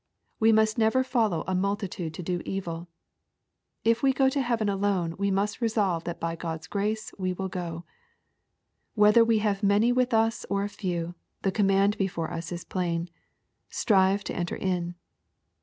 We must never follow a multitude to do evil. If we go to heaven alone we must resolve that by God's grace we will go. Whether we have many with us or a few, the command before us is plain, —" Strive to enter in.''